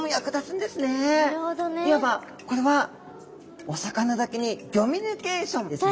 いわばこれはお魚だけにギョミュニケーションですね。